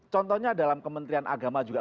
contohnya dalam kementerian agama juga